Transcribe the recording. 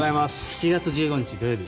７月１５日土曜日